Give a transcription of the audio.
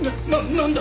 なんだ？